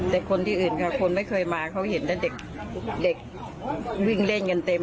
แต่คนที่อื่นค่ะคนไม่เคยมาเขาเห็นแต่เด็กวิ่งเล่นกันเต็ม